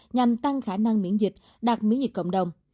nhằm tăng khả năng miễn dịch đạt miễn dịch cộng đồng